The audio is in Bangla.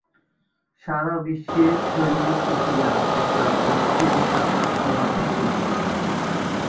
সারাবিশ্বে ছড়িয়ে ছিটিয়ে আছে ক্লাবটির সুবিশাল সমর্থক গোষ্ঠী।